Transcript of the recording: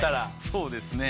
そうですね。